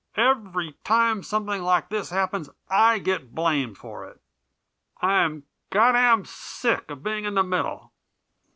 Every time something like this happens I get blamed for it. I'm goddam sick of being in the middle."